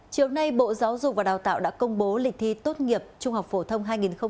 chiều nay bộ giáo dục và đào tạo đã công bố lịch thi tốt nghiệp trung học phổ thông hai nghìn hai mươi